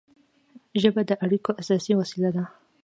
ژبه د اړیکو اساسي وسیله ده.